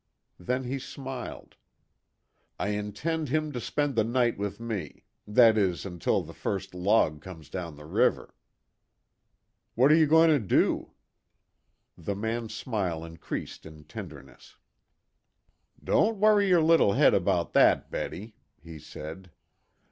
Then he smiled. "I intend him to spend the night with me. That is, until the first log comes down the river." "What are you going to do?" The man's smile increased in tenderness. "Don't worry your little head about that, Betty," he said.